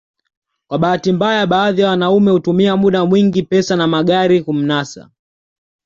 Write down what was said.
Kwa bahati mbaya baadhi ya wanaume hutumia muda mwingi pesa na magari kumnasa